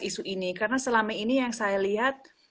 isu ini karena selama ini yang saya lihat